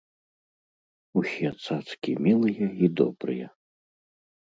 Усе цацкі мілыя і добрыя.